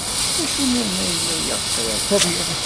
D acu niḍen ay yella yeɣs Rabaḥ?